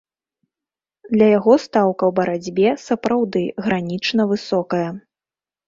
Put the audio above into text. Для яго стаўка ў барацьбе сапраўды гранічна высокая.